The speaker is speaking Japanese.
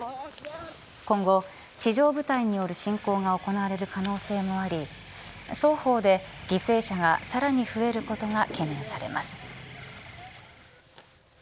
今後、地上部隊による侵攻が行われる可能性もあり双方で犠牲者がさらに増えることが懸念されます。